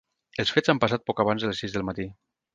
Els fets han passat poc abans de les sis del matí.